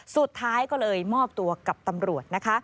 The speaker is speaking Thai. สุดท้ายก็เลยมอบตัวกับตำรวจนะคะ